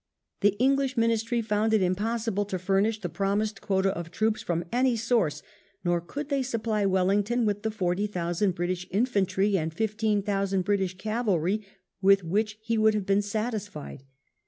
The English Ministry found it impossible to furnish the promised quota of troops from any source, nor could they supply Wellington with the forty thousand British infantry and fifteen thousand British cavalry with which he would have been satisfied.